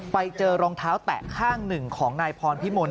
ไปเจอรองเท้าแตะข้างหนึ่งของนายพรพิมล